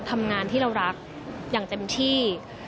ทำงานที่เรารักอย่างเต็มที่